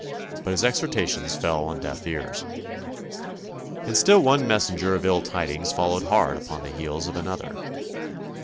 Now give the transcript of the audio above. But his exhortations fell on deaf ears. And still one messenger of ill tidings followed hard upon the heels of another.